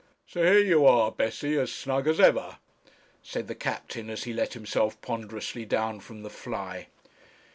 'So here you are, Bessie, as snug as ever,' said the captain, as he let himself ponderously down from the fly.